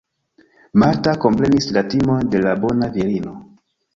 Marta komprenis la timon de la bona virino.